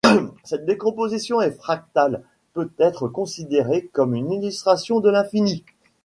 Cette décomposition en fractale peut être considérée comme une illustration de l'infini.